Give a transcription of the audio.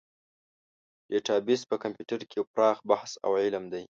ډیټابیس په کمپیوټر کې یو پراخ بحث او علم دی.